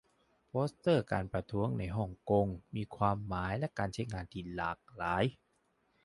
โปสเตอร์การประท้วงในฮ่องกงมีความหมายและการใช้งานที่หลากหลาย